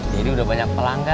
jadi udah banyak pelanggan